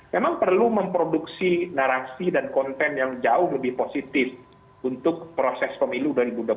memang perlu memproduksi narasi dan konten yang jauh lebih positif untuk proses pemilu dua ribu dua puluh